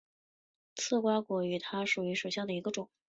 刺果瓜为葫芦科刺果瓜属下的一个种。